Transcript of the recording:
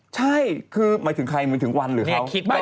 ใช่คือหมายถึงใครหมายถึงวันหรือเขา